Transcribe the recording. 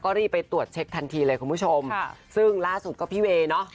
รีบไปตรวจเช็คทันทีเลยคุณผู้ชมค่ะซึ่งล่าสุดก็พี่เวย์เนอะ